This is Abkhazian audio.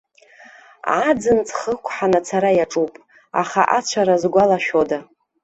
Аӡын ҵхы ықәҳан ацара иаҿуп, аха ацәара згәалашәода!